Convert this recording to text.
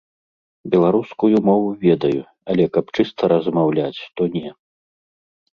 Беларускую мову ведаю, але каб чыста размаўляць, то не.